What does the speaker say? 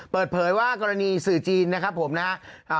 เปิดเผยว่ากรณีสื่อจีนนะครับผมนะครับ